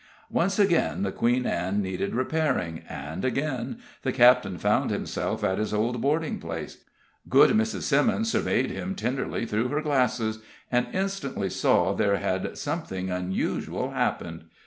Once again the Queen Ann needed repairing, and again the captain found himself at his old boarding place. Good Mrs. Simmons surveyed him tenderly through her glasses, and instantly saw there had something unusual happened.